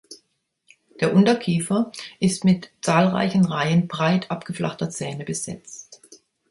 Der Unterkiefer ist mit zahlreichen Reihen breit abgeflachter Zähne besetzt.